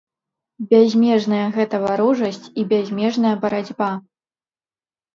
Бязмежная гэта варожасць і бязмежная барацьба!